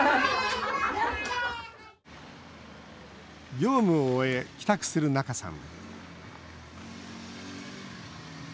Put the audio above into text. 業務を終え、帰宅する仲さん。